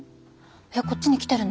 えっこっちに来てるの？